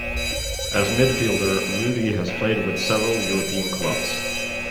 As midfielder, Rudi has played with several European clubs.